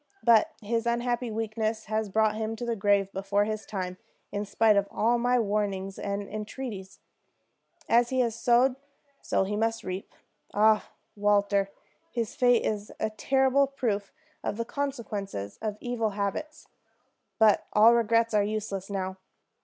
But his unhappy weakness has brought him to the grave before his time, in spite of all my warnings, and entreaties. As he has sowed, so must he reap. Ah, Walter, his fate is a terrible proof of the consequences of evil habits. But all regrets are useless now.